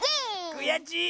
くやちい。